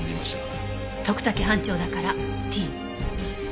徳武班長だからＴ？